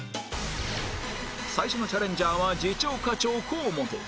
最初のチャレンジャーは次長課長河本